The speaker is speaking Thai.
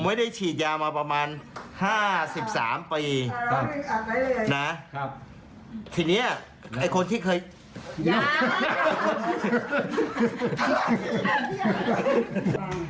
ให้การได้ฉีดยามาประมาณ๑๓ปีครับไว้นะครับทีนี้ไอ้คนที่เคยอย่า